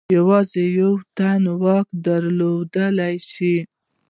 یوازې یو تن واک درلودلای شي.